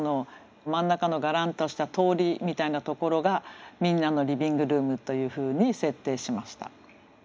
真ん中のがらんとした通りみたいなところがみんなのリビングルームというふうに設定しました。